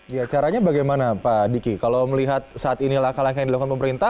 ya caranya bagaimana pak diki kalau melihat saat inilah kalangan dilakukan pemerintah